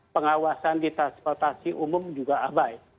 pengawasan di transportasi umum juga abai